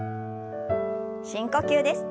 深呼吸です。